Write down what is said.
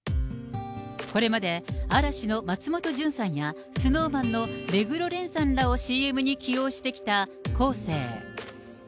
これまで嵐の松本潤さんやＳｎｏｗＭａｎの目黒蓮さんらをＣＭに起用してきたコーセー。